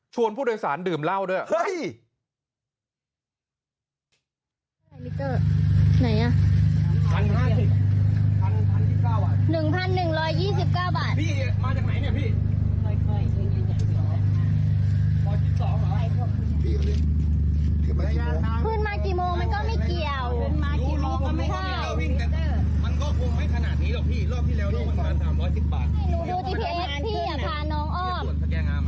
ชวนผู้โดยสารดื่มเหล้าด้วย